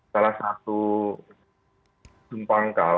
salah satu jumpangkal